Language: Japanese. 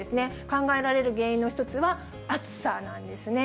考えられる原因の一つは、暑さなんですね。